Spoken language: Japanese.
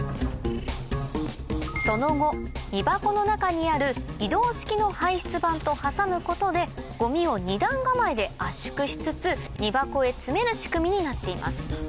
その後荷箱の中にある移動式の排出板と挟むことでごみを二段構えで圧縮しつつ荷箱へ積める仕組みになっています